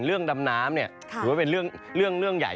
เรื่องดำน้ำเป็นเรื่องใหญ่